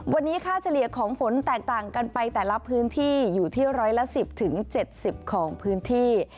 วันนี้ค่าเฉลี่ยของฝนแตกต่างกันไปแต่ละพื้นที่อยู่ที่ร้อยละ๑๐๗๐ของพื้นที่